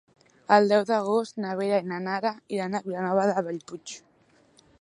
El deu d'agost na Vera i na Nara iran a Vilanova de Bellpuig.